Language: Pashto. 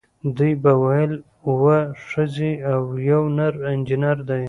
دوی به ویل اوه ښځې او یو نر انجینر دی.